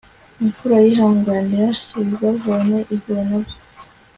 imfura yihanganira ibizazane ihura na byo